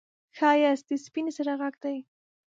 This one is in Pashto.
ښایست د سپين زړه غږ دی